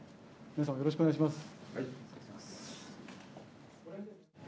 皆様よろしくお願いします。